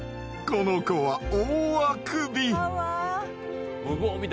この子は大あくび。かわ！